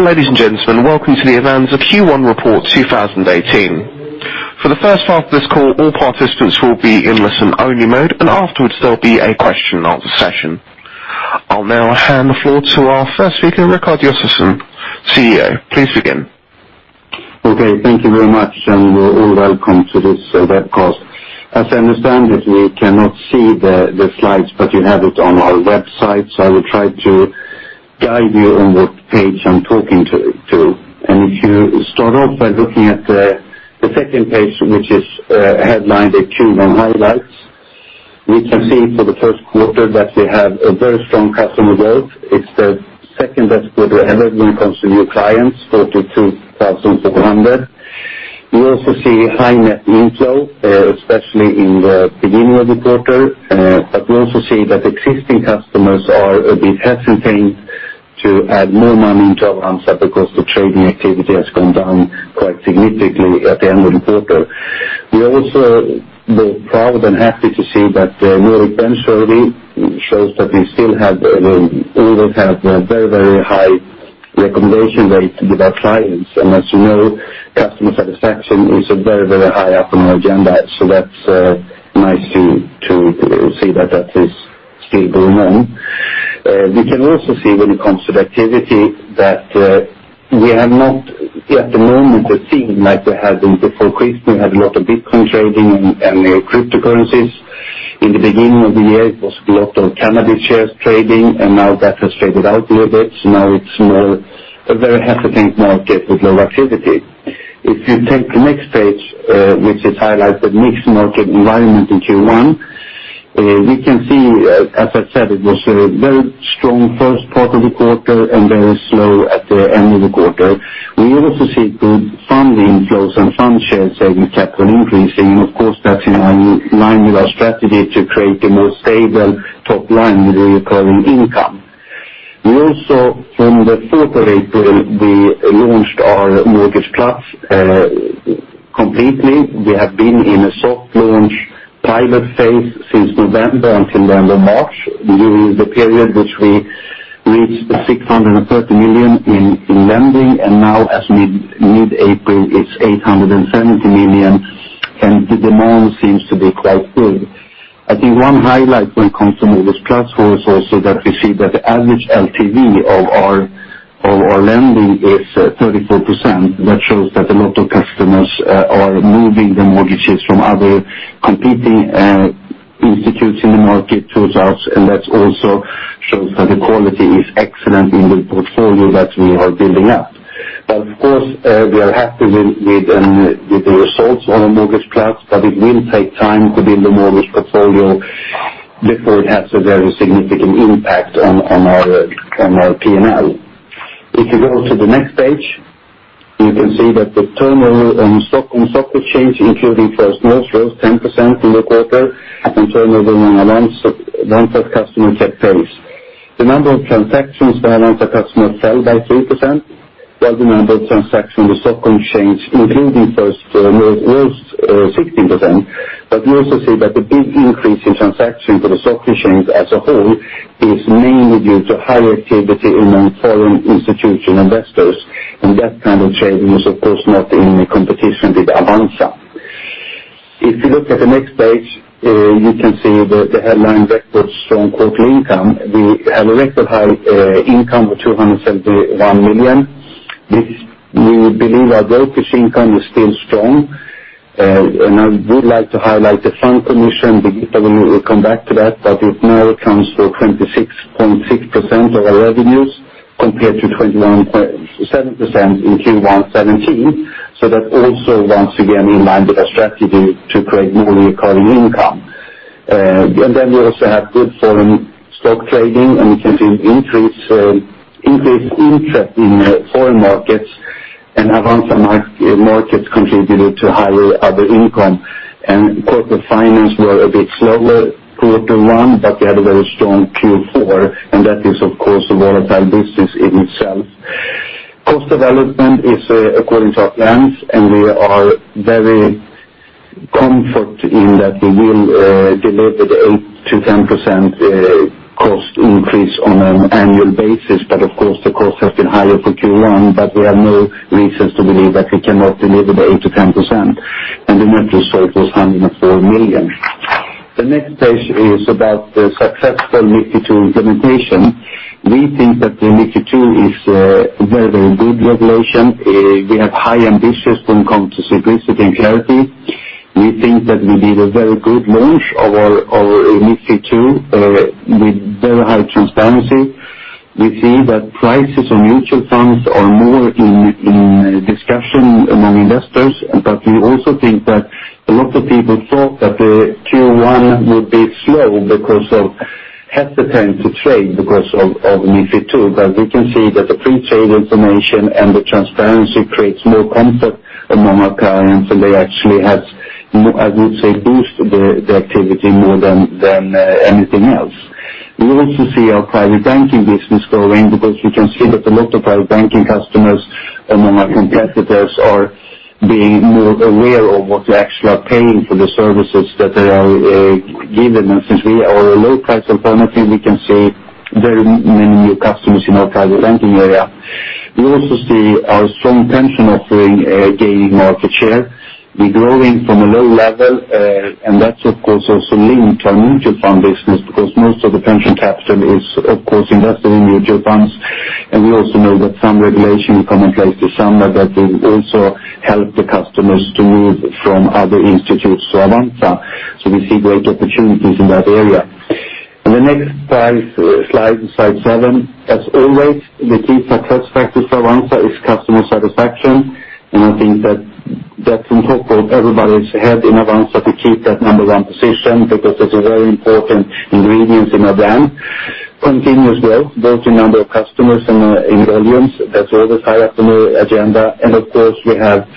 Ladies and gentlemen, welcome to the Avanza Q1 report 2018. For the first part of this call, all participants will be in listen-only mode, afterwards, there'll be a question and answer session. I'll now hand the floor to our first speaker, Rikard Josefson, CEO. Please begin. Okay. Thank you very much. You're all welcome to this web course. As I understand it, we cannot see the slides, you have it on our website. I will try to guide you on what page I'm talking to. If you start off by looking at the second page, which is headlined Q1 Highlights. We can see for the first quarter that we have a very strong customer growth. It's the second-best quarter ever when it comes to new clients, 42,400. We also see high net inflow, especially in the beginning of the quarter. We also see that existing customers are a bit hesitant to add more money into Avanza because the trading activity has gone down quite significantly at the end of the quarter. We're also both proud and happy to see that the Net Promoter shows that we still have a very high recommendation rate with our clients. As you know, customer satisfaction is very high up on our agenda. That's nice to see that is still going on. We can also see when it comes to activity that we have not yet at the moment the theme like we had in before Christmas. We had a lot of Bitcoin trading and cryptocurrencies. In the beginning of the year, it was a lot of cannabis shares trading, now that has faded out a little bit. Now it's more a very hesitant market with low activity. If you take the next page, which is highlighted Mixed Market Environment in Q1, we can see, as I said, it was a very strong first part of the quarter, very slow at the end of the quarter. We also see good funding flows, fund share savings kept on increasing. Of course, that's in line with our strategy to create a more stable top line with the recurring income. We also, from the fourth of April, we launched our Mortgage Loan+ completely. We have been in a soft launch private phase since November until the end of March. During the period which we reached SEK 630 million in lending, now as mid-April, it's 870 million, the demand seems to be quite good. I think one highlight when it comes to Mortgage Loan+ for us also that we see that the average LTV of our lending is 34%. That shows that a lot of customers are moving their mortgages from other competing institutes in the market to us, and that also shows that the quality is excellent in the portfolio that we are building up. Of course, we are happy with the results on the Mortgage Loan+, but it will take time to build the mortgage portfolio before it has a very significant impact on our P&L. If you go to the next page, you can see that the turnover on Stockholm Stock Exchange, including First North, rose 10% in the quarter and turnover on (Avanza Customer Check pays). The number of transactions by Avanza customer fell by 3%, while the number of transactions with Stockholm Stock Exchange, including First North, rose 16%. We also see that the big increase in transactions for the Stockholm Stock Exchange as a whole is mainly due to higher activity among foreign institutional investors. And that kind of trading is, of course, not in competition with Avanza. If you look at the next page, you can see the headline Record Strong Quarterly Income. We have a record high income of 271 million. We believe our brokerage income is still strong, and I would like to highlight the fund commission. Birgitta will come back to that, but it now accounts for 26.6% of our revenues compared to 21.7% in Q1 2017. So that also, once again, in line with our strategy to create more recurring income. We also have good foreign stock trading, and we can see increased interest in foreign markets and Avanza Markets contributed to higher other income. Corporate finance were a bit slower quarter one, but we had a very strong Q4, and that is, of course, a volatile business in itself. Cost development is according to our plans, and we are very comfort in that we will deliver the 8%-10% cost increase on an annual basis. Of course, the cost has been higher for Q1, but we have no reasons to believe that we cannot deliver the 8%-10%. And the net result was 104 million. The next page is about the successful MiFID II implementation. We think that the MiFID II is a very good regulation. We have high ambitions when it comes to simplicity and clarity. We think that we did a very good launch of MiFID II with very high transparency. We see that prices on mutual funds are more in discussion among investors. We also think that a lot of people thought that the Q1 would be slow because of hesitant to trade because of MiFID II. But we can see that the free trade information and the transparency creates more comfort among our clients, and they actually have, I would say, boost the activity more than anything else. We also see our Private Banking business growing because you can see that a lot of our banking customers among our competitors are being more aware of what you actually are paying for the services that are given. And since we are a low price alternative, we can see very many new customers in our Private Banking area. We also see our strong pension offering gaining market share. We're growing from a low level, that's, of course, also linked to our mutual fund business because most of the pension capital is, of course, invested in mutual funds. We also know that some regulation will come in place this summer that will also help the customers to move from other institutes to Avanza. We see great opportunities in that area. The next slide seven. As always, the key success factor for Avanza is customer satisfaction, I think that's on top of everybody's head in Avanza to keep that number one position because it's a very important ingredient in our brand. Continuous growth, both in number of customers and in volumes. That's always high up on the agenda. Of course, we have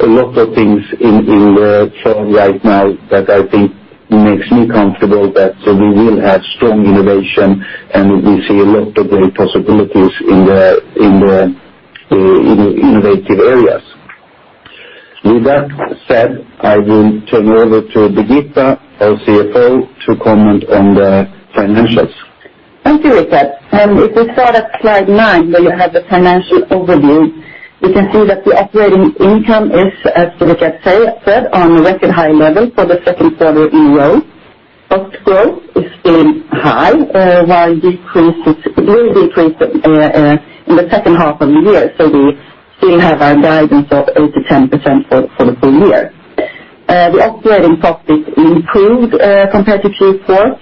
a lot of things in the forum right now that I think makes me comfortable that we will have strong innovation, we see a lot of great possibilities in the innovative areas. With that said, I will turn you over to Birgitta, our CFO, to comment on the financials. Thank you, Rikard. If we start at slide nine, where you have the financial overview, you can see that the operating income is, as Rikard said, on a record high level for the second quarter in a row. Up growth is still high, while decrease is a little decrease in the second half of the year. We still have our guidance of 8% to 10% for the full year. The operating profit improved compared to Q4,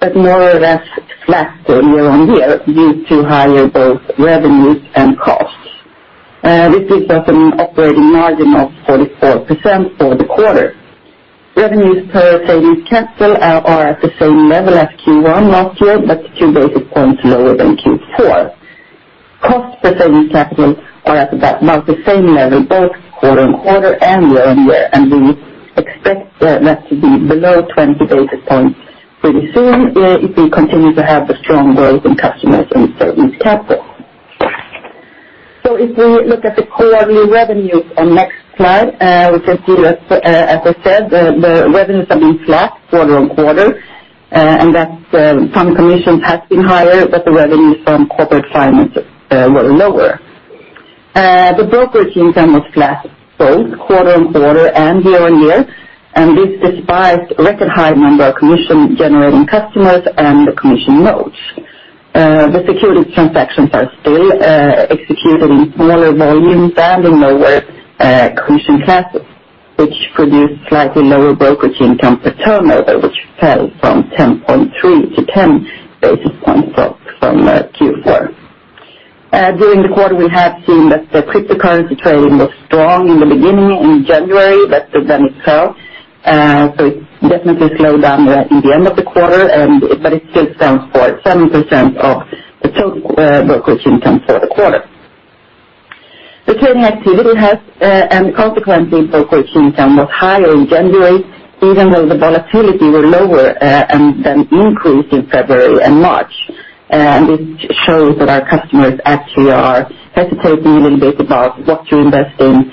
but more or less flat year-on-year due to higher both revenues and costs. This is just an operating margin of 44% for the quarter. Revenues per savings capital are at the same level as Q1 last year, but two basis points lower than Q4. Cost per savings capital are at about the same level, both quarter-on-quarter and year-on-year, we expect that to be below 20 basis points pretty soon if we continue to have the strong growth in customers and savings capital. If we look at the quarterly revenues on next slide, we can see that, as I said, the revenues have been flat quarter-on-quarter that fund commission has been higher, the revenues from corporate finance were lower. The brokerage income was flat both quarter-on-quarter and year-on-year. This despite record high number of commission generating customers and the commission notes. The securities transactions are still executed in smaller volumes and in lower commission classes, which produced slightly lower brokerage income per turnover, which fell from 10.3 to 10 basis points from Q4. During the quarter, we have seen that the cryptocurrency trading was strong in the beginning in January. It fell. It definitely slowed down right in the end of the quarter, but it still stands for 7% of the total brokerage income for the quarter. The trading activity has, and consequently, brokerage income was higher in January, even though the volatility were lower and then increased in February and March. This shows that our customers actually are hesitating a little bit about what to invest in,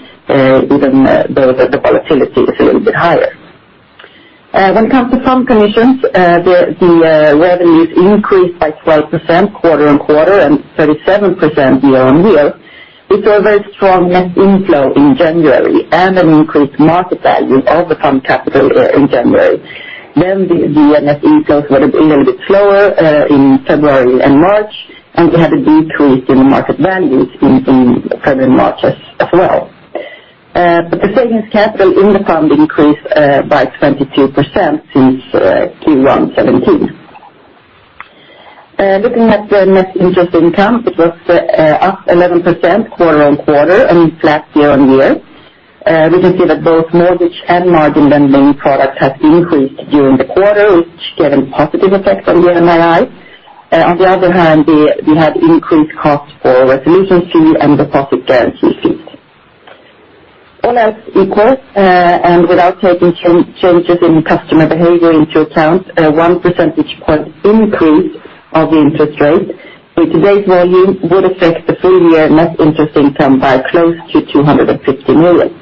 even though the volatility is a little bit higher. When it comes to fund commissions, the revenues increased by 12% quarter-on-quarter and 37% year-on-year. We saw a very strong net inflow in January and an increased market value of the fund capital in January. The net inflows were a little bit slower in February and March. We had a decrease in the market values in February and March as well. The savings capital in the fund increased by 22% since Q1 2017. Looking at the net interest income, it was up 11% quarter-on-quarter and flat year-on-year. We can see that both mortgage and margin lending products have increased during the quarter, which gave a positive effect on the NII. On the other hand, we had increased cost for resolution fee and deposit guarantee fees. All else equal, and without taking changes in customer behavior into account, one percentage point increase of the interest rate with today's volume would affect the full year net interest income by close to 250 million.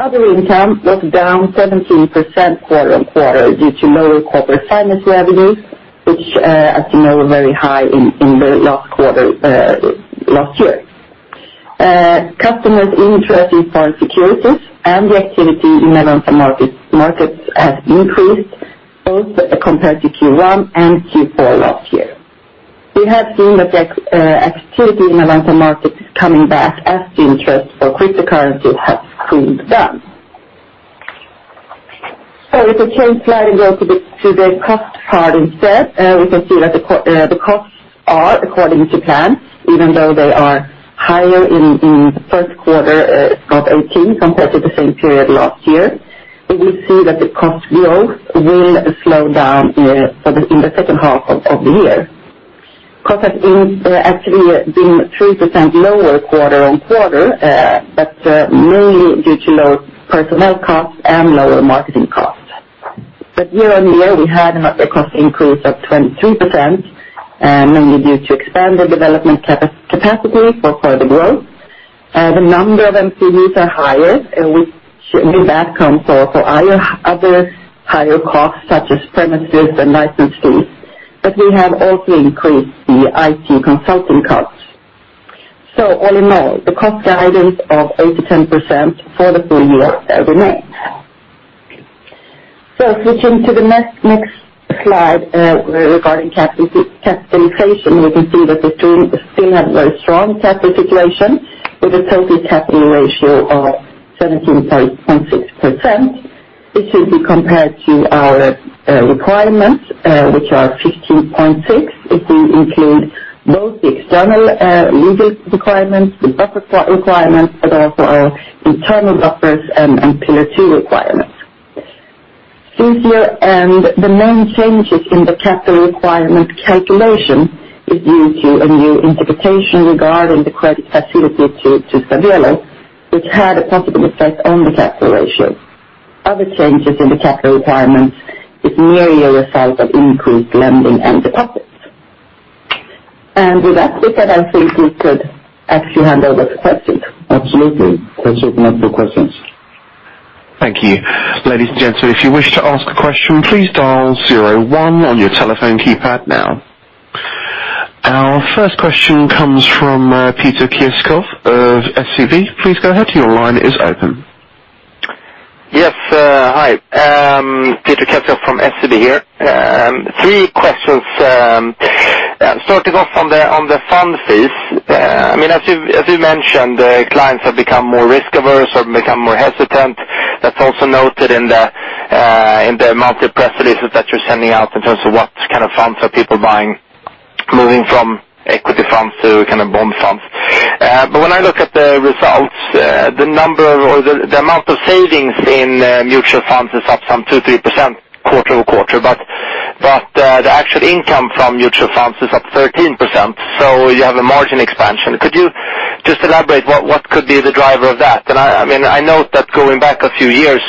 Other income was down 17% quarter-on-quarter due to lower corporate finance revenues, which, as you know, were very high in the last quarter last year. Customers' interest in foreign securities and the activity in Avanza Markets has increased both compared to Q1 and Q4 last year. We have seen that the activity in Avanza Markets is coming back as interest for cryptocurrencies has cooled down. If we change slide and go to the cost part instead, we can see that the costs are according to plan, even though they are higher in first quarter of 2018 compared to the same period last year. We will see that the cost growth will slow down in the second half of the year. Cost has actually been 3% lower quarter-on-quarter. Mainly due to lower personnel costs and lower marketing costs. Year-on-year, we had another cost increase of 23%, mainly due to expanded development capacity for further growth. The number of employees are higher. With that comes other higher costs such as premises and license fees. We have also increased the IT consulting costs. All in all, the cost guidance of 8%-10% for the full year remains. Switching to the next slide regarding capitalization, we can see that we still have very strong capital situation with a total capital ratio of 17.6%. This is compared to our requirements, which are 15.6% if we include both the external legal requirements, the buffer requirements, but also our internal buffers and pillar two requirements. Since year-end, the main changes in the capital requirement calculation is due to a new interpretation regarding the credit facility to Stabelo, which had a possible effect on the capital ratio. Other changes in the capital requirements is merely a result of increased lending and deposits. With that said, I think we could actually hand over to questions. Absolutely. We will take multiple questions. Thank you. Ladies and gentlemen, if you wish to ask a question, please dial 01 on your telephone keypad now. Our first question comes from Peter Kessiakoff of SEB. Please go ahead. Your line is open. Yes. Hi, Peter Kessiakoff from SEB here. Three questions. Starting off on the fund fees. As you mentioned, clients have become more risk-averse or become more hesitant. That is also noted in the monthly press releases that you are sending out in terms of what kind of funds are people buying, moving from equity funds to bond funds. When I look at the results, the amount of savings in mutual funds is up some 2%, 3% quarter-over-quarter. The actual income from mutual funds is up 13%. You have a margin expansion. Could you just elaborate what could be the driver of that? I note that going back a few years,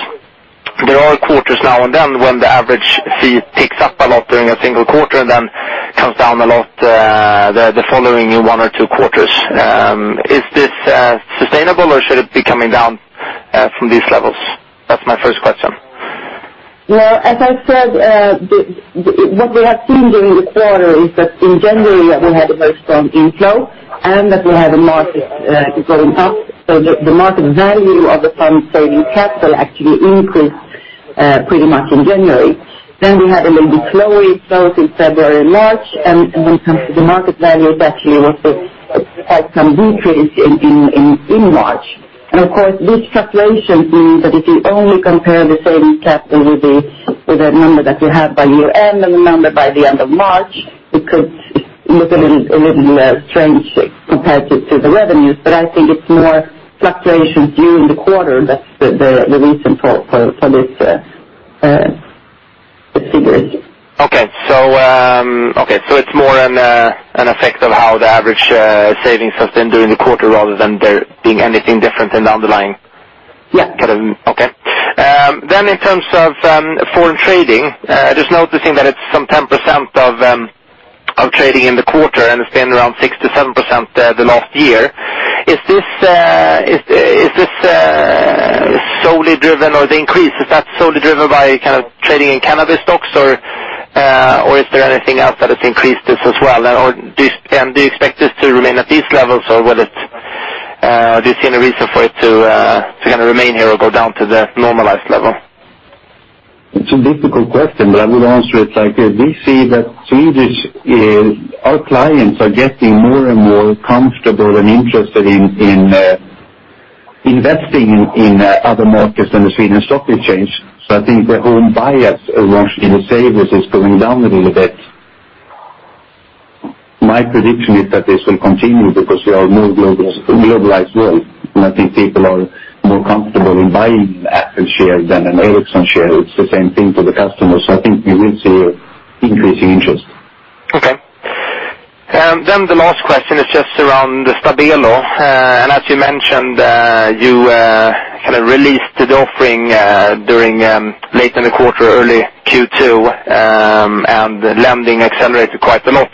there are quarters now and then when the average fee ticks up a lot during a single quarter, then comes down a lot the following one or two quarters. Is this sustainable, or should it be coming down from these levels? That's my first question. Well, as I said, what we have seen during the quarter is that in January, we had a very strong inflow and that we had a market going up so the market value of the fund saving capital actually increased pretty much in January. We had a little bit slower flows in February and March. When it comes to the market value, it actually had some decrease in March. Of course, this fluctuation means that if you only compare the savings capital with the number that you have by year-end and the number by the end of March, it could look a little strange compared to the revenues. I think it's more fluctuations during the quarter that's the reason for this figure. Okay. It's more an effect of how the average savings has been during the quarter rather than there being anything different in the underlying? Yeah. Okay. In terms of foreign trading, just noticing that it's some 10% of trading in the quarter, and it's been around 6%-7% the last year. Is this solely driven, or the increase, is that solely driven by trading in cannabis stocks, or is there anything else that has increased this as well? Do you expect this to remain at these levels, or do you see any reason for it to remain here or go down to the normalized level? It's a difficult question, but I will answer it like this. We see that our clients are getting more and more comfortable and interested in investing in other markets than the Stockholm Stock Exchange. I think the home bias watched in the savers is going down a little bit. My prediction is that this will continue because we are more globalized world, and I think people are more comfortable in buying Apple share than an Ericsson share. It's the same thing for the customer. I think we will see increasing interest. Okay. The last question is just around Stabelo. As you mentioned, you released the offering during late in the quarter, early Q2, and the lending accelerated quite a lot.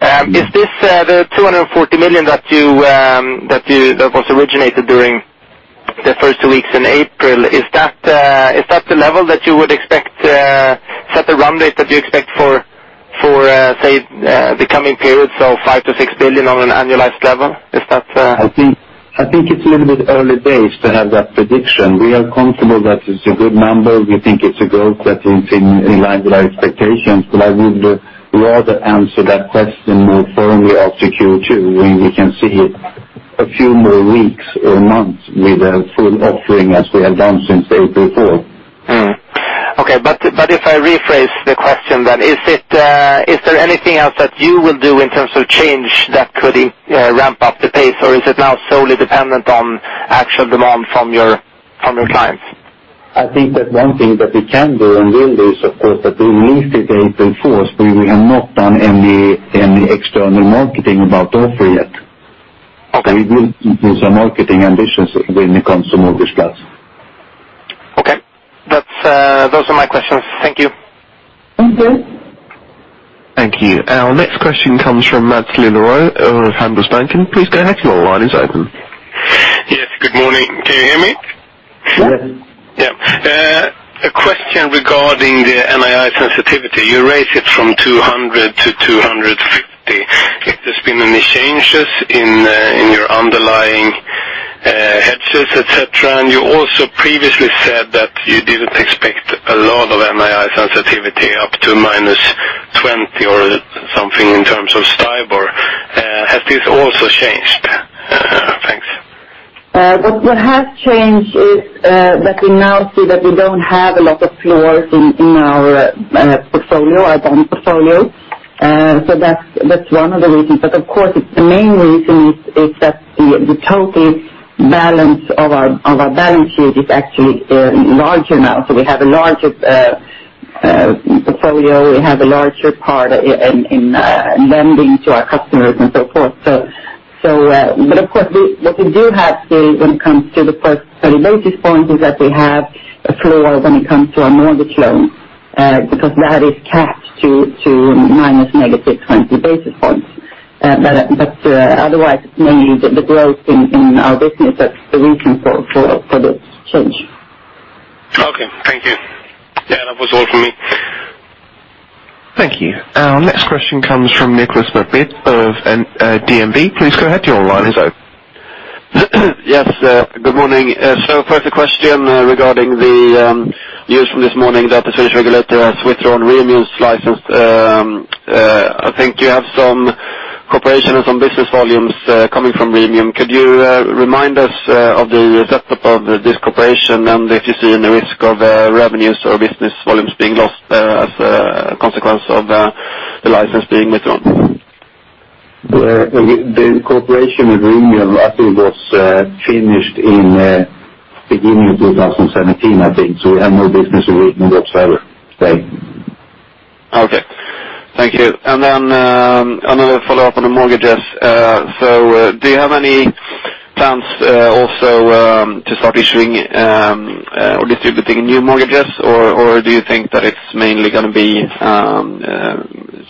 The SEK 240 million that was originated during the first two weeks in April, is that the level that you would expect? Is that the run rate that you expect for, say, the coming periods of 5 billion-6 billion on an annualized level? I think it's a little bit early days to have that prediction. We are comfortable that it's a good number. We think it's a growth that is in line with our expectations. I would rather answer that question more firmly after Q2, when we can see a few more weeks or months with a full offering as we have done since April 4. Okay. If I rephrase the question, then, is there anything else that you will do in terms of change that could ramp up the pace, or is it now solely dependent on actual demand from your clients? I think that one thing that we can do and will do is, of course, that we released it April 4th, but we have not done any external marketing about the offer yet. Okay. We build some marketing ambitions when it comes to Mortgage Loan+. Okay. Those are my questions. Thank you. Thank you. Thank you. Our next question comes from Maths Liljedahl of Handelsbanken. Please go ahead. Your line is open. Yes, good morning. Can you hear me? Yes. Yeah. A question regarding the NII sensitivity. You raised it from 200 to 250. If there's been any changes in your underlying hedges, et cetera, and you also previously said that you didn't expect a lot of NII sensitivity up to -20 or something in terms of STIBOR. Has this also changed? Thanks. What has changed is that we now see that we don't have a lot of floors in our bond portfolio. That's one of the reasons. Of course, the main reason is that the total balance of our balance sheet is actually larger now. We have a larger portfolio. We have a larger part in lending to our customers and so forth. Of course, what we do have when it comes to the first 30 basis points is that we have a floor when it comes to our mortgage loans, because that is capped to -20 basis points. Otherwise, it's mainly the growth in our business that's the reason for this change. Okay, thank you. That was all for me. Thank you. Our next question comes from Nicolas McBeath of DNB. Please go ahead. Your line is open. Yes, good morning. First a question regarding the news from this morning that the Swedish regulator has withdrawn Remium's license. I think you have some cooperation and some business volumes coming from Remium. Could you remind us of the setup of this cooperation and if you see any risk of revenues or business volumes being lost as a consequence of the license being withdrawn? The cooperation with Remium, I think, was finished in beginning of 2017, I think. We have no business agreement whatsoever today. Okay. Thank you. Another follow-up on the mortgages. Do you have any plans also to start issuing or distributing new mortgages, or do you think that it's mainly going to be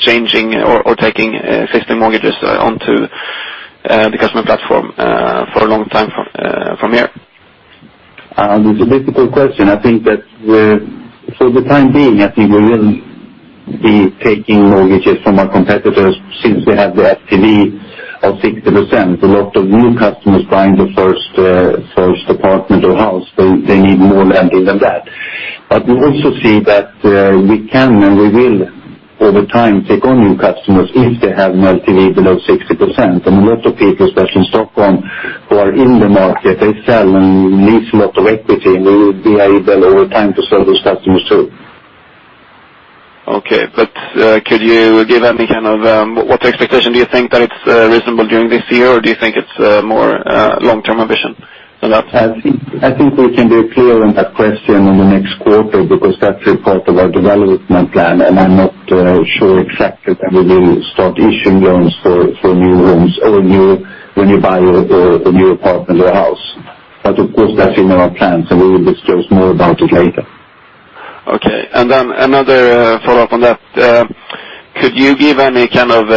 changing or taking existing mortgages onto the customer platform for a long time from here? It's a difficult question. I think that for the time being, I think we will be taking mortgages from our competitors since they have the LTV of 60%. A lot of new customers buying the first apartment or house, they need more lending than that. We also see that we can, and we will, over time, take on new customers if they have an LTV below 60%. A lot of people, especially in Stockholm, who are in the market, they sell and release a lot of equity, and we will be able, over time, to sell those customers, too. Okay, could you give any kind of What expectation do you think that it's reasonable during this year, or do you think it's a more long-term ambition? I think we can be clear on that question in the next quarter because that's a part of our development plan, and I'm not sure exactly when we will start issuing loans for new homes or when you buy a new apartment or a house. Of course, that's in our plans, and we will discuss more about it later. Okay. Another follow-up on that. Could you give any kind of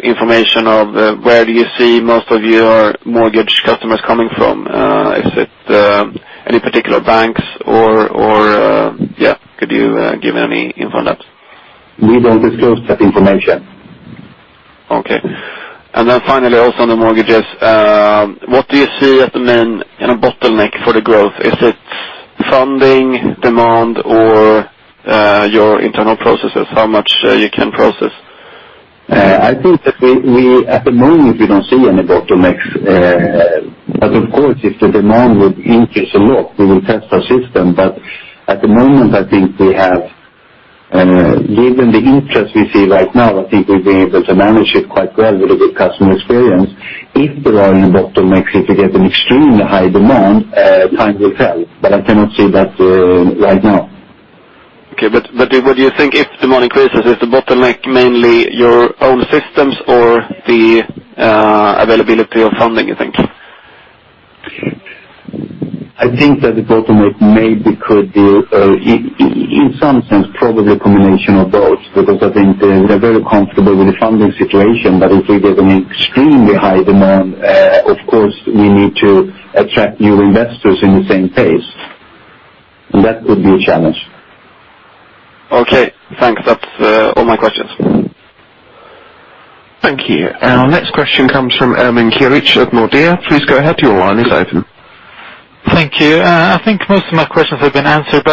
information of where do you see most of your mortgage customers coming from? Is it any particular banks or yeah, could you give any info on that? We don't disclose that information. Okay. Finally, also on the mortgages, what do you see as the main bottleneck for the growth? Is it funding demand or your internal processes, how much you can process? I think that at the moment, we don't see any bottlenecks. Of course, if the demand would increase a lot, we will test our system. At the moment, I think Given the interest we see right now, I think we'll be able to manage it quite well with a good customer experience. If there are any bottlenecks, if we get an extremely high demand, time will tell, but I cannot see that right now. What do you think if demand increases? Is the bottleneck mainly your own systems or the availability of funding, you think? I think that the bottleneck maybe could be, in some sense, probably a combination of both, because I think we're very comfortable with the funding situation, but if we get an extremely high demand, of course, we need to attract new investors in the same pace. That would be a challenge. Okay, thanks. That's all my questions. Thank you. Our next question comes from Ermin Keric of Nordea. Please go ahead. Your line is open. Thank you. I think most of my questions have been answered,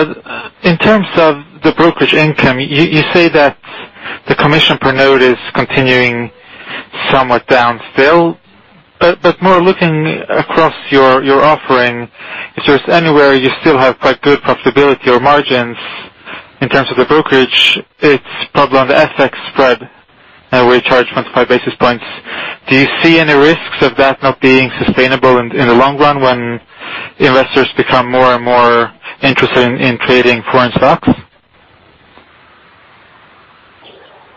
in terms of the brokerage income, you say that the commission per note is continuing somewhat down still. More looking across your offering, if there's anywhere you still have quite good profitability or margins in terms of the brokerage, it's probably on the FX spread where you charge 25 basis points. Do you see any risks of that not being sustainable in the long run when investors become more and more interested in trading foreign stocks?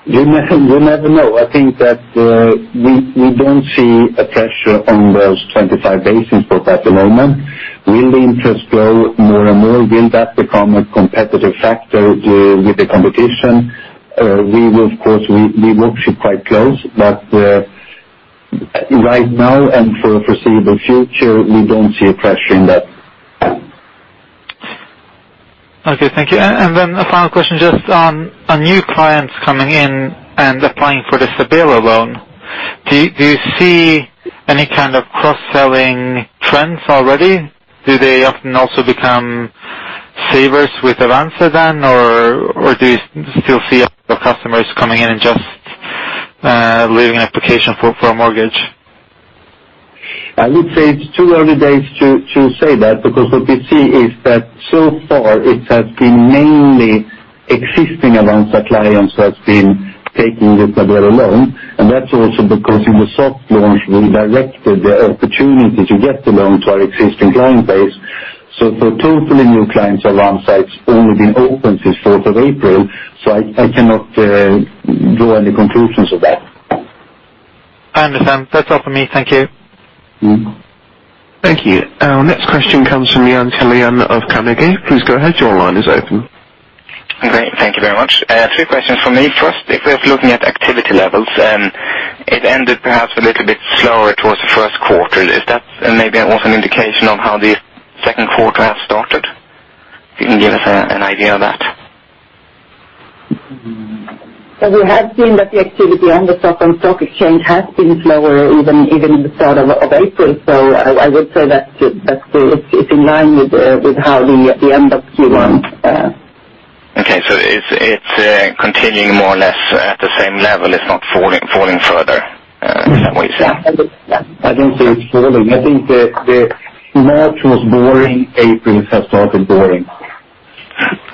You never know. I think that we don't see a pressure on those 25 basis points at the moment. Will the interest grow more and more? Will that become a competitive factor with the competition? We will, of course, watch it quite close, right now and for the foreseeable future, we don't see a pressure in that. Okay, thank you. A final question just on new clients coming in and applying for the Stabelo loan. Do you see any kind of cross-selling trends already? Do they often also become savers with Avanza then, or do you still see a lot of customers coming in and just leaving application for a mortgage? I would say it's too early days to say that because what we see is that so far it has been mainly existing Avanza clients that's been taking the Stabelo loan. That's also because in the soft launch we directed the opportunity to get the loan to our existing client base. For totally new clients, Avanza it's only been open since fourth of April, I cannot draw any conclusions of that. I understand. That's all for me. Thank you. Thank you. Our next question comes from Jens Hallén of Carnegie. Please go ahead. Your line is open. Great. Thank you very much. Three questions from me. First, if we're looking at activity levels, it ended perhaps a little bit slower towards the first quarter. Is that maybe also an indication of how the second quarter has started? If you can give us an idea of that. Well, we have seen that the activity on the Stockholm Stock Exchange has been slower even in the start of April. I would say that it's in line with how the end of Q1. Okay. It's continuing more or less at the same level. It's not falling further in some way. Yeah. I don't say it's falling. I think March was boring. April has started boring.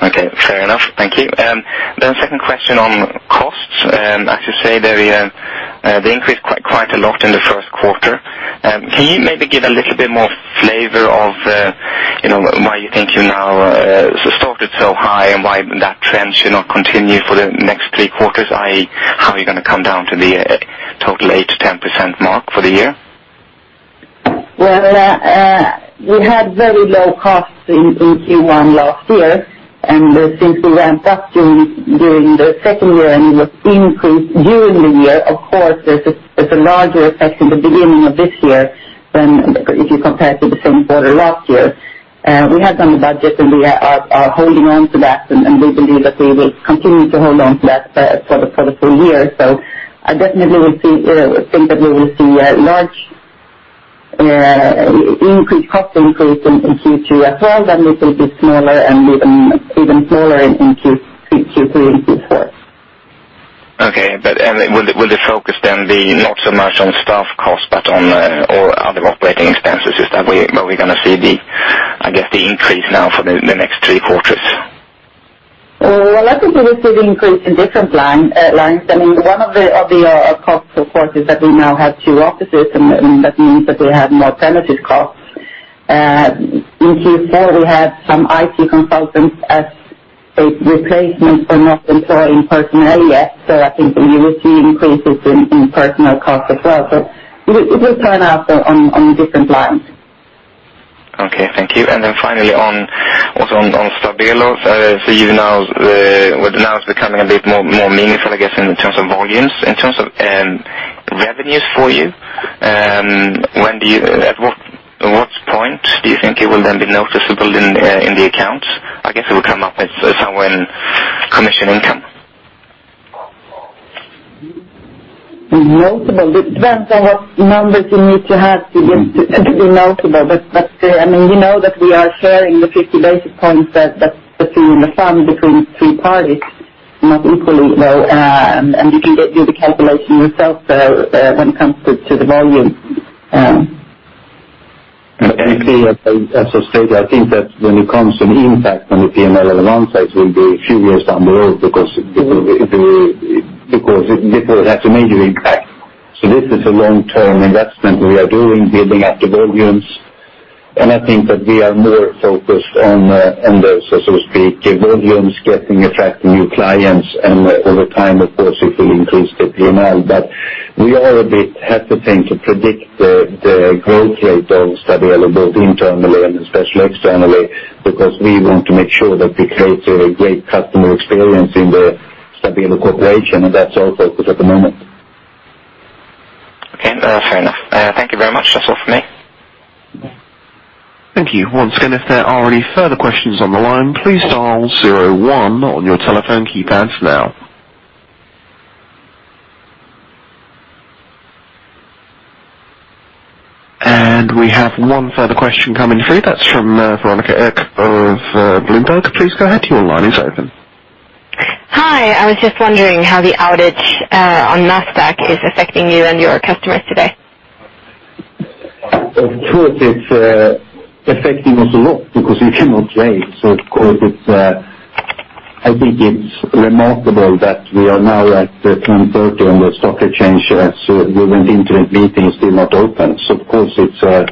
Okay, fair enough. Thank you. Second question on costs. As you say, they increased quite a lot in the first quarter. Can you maybe give a little bit more flavor of why you think you now started so high and why that trend should not continue for the next three quarters? i.e., how are you going to come down to the total 8%-10% mark for the year? Well, we had very low costs in Q1 last year, and since we ramped up during the second year and it was increased during the year, of course there's a larger effect in the beginning of this year than if you compare to the same quarter last year. We had done the budget and we are holding on to that, and we believe that we will continue to hold on to that for the full year. I definitely would think that we will see a large increased cost increase in Q2 as well, then it will be smaller and even smaller in Q3 and Q4. Okay. Will the focus then be not so much on staff cost but on all other operating expenses? Is that where we're going to see the increase now for the next three quarters? I think we will see the increase in different lines. One of the costs, of course, is that we now have two offices and that means that we have more premises costs. In Q4, we had some IT consultants as a replacement for not employing personnel yet. I think we will see increases in personal cost as well, but it will turn out on different lines. Okay, thank you. Then finally, also on Stabelo. Now it's becoming a bit more meaningful, I guess, in terms of volumes. In terms of revenues for you, at what point do you think it will then be noticeable in the accounts? I guess it will come up as somewhere in commission income. Notable. Depends on what numbers you need to have to be notable. You know that we are sharing the 50 basis points between the funds between three parties, not equally. You can do the calculation yourself there when it comes to the volume. Clearly, as said, I think that when it comes to the impact on the P&L of Avanza it will be a few years down the road because it will have a major impact. This is a long-term investment we are doing, building up the volumes. I think that we are more focused on the, so to speak, volumes, attracting new clients, and over time, of course, it will increase the P&L. We are a bit hesitant to predict the growth rate of Stabelo both internally and especially externally because we want to make sure that we create a great customer experience in the Stabelo collaboration, and that's our focus at the moment. Okay, fair enough. Thank you very much. That's all for me. Thank you. Once again, if there are any further questions on the line, please dial zero one on your telephone keypad now. We have one further question coming through. That's from Veronica Ek of Bloomberg. Please go ahead. Your line is open. Hi. I was just wondering how the outage on Nasdaq is affecting you and your customers today. Of course, it's affecting us a lot because we cannot trade. I think it's remarkable that we are now at 10:30 on the stock exchange and still the internet meeting is still not open. Of course it's a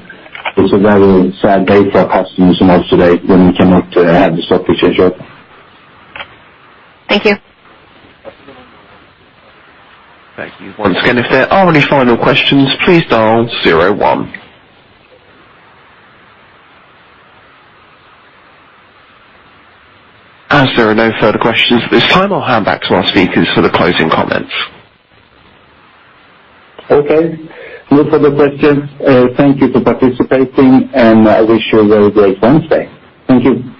very sad day for our customers and us today when we cannot have the stock exchange open. Thank you. Thank you. Once again, if there are any final questions, please dial 01. As there are no further questions at this time, I'll hand back to our speakers for the closing comments. Okay. No further questions. Thank you for participating, and I wish you a very great Wednesday. Thank you.